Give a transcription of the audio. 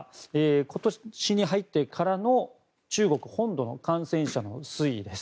今年に入ってからの中国本土の感染者の推移です。